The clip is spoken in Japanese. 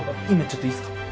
今ちょっといいっすか？